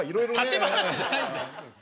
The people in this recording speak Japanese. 立ち話じゃないんだよ！